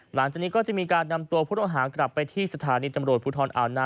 หลังจากนี้ก็จะมีการนำตัวผู้ต้องหากลับไปที่สถานีตำรวจภูทรอ่าวนา